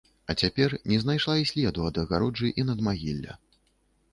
А цяпер не знайшла і следу ад агароджы і надмагілля.